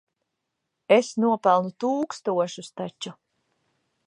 Es nopelnu tūkstošus taču.